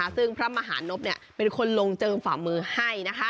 ซึ่งพระมหานพเป็นคนลงเจิมฝ่ามือให้